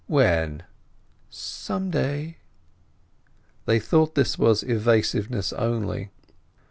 "When?" "Some day." They thought that this was evasiveness only.